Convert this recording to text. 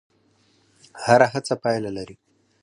هره هڅه پایله لري.